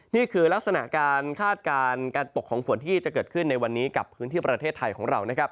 นี่คือลักษณะการคาดการณ์การตกของฝนที่จะเกิดขึ้นในวันนี้กับพื้นที่ประเทศไทยของเรานะครับ